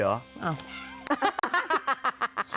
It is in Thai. อ้าว